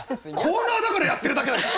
コーナーだからやってるだけだし！